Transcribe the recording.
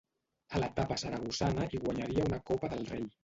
A l'etapa saragossana hi guanyaria una Copa del Rei.